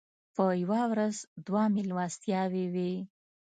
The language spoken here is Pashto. په یوه ورځ دوه مېلمستیاوې وې.